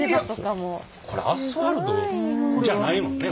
これアスファルトじゃないもんね。